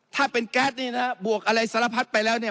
ถ้าเป็นแก๊สนี่นะฮะบวกอะไรสารพัดไปแล้วเนี่ย